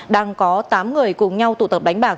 đang có tám người cùng nhau tụ tập đánh bạc